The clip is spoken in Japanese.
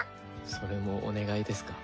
それもお願いですか？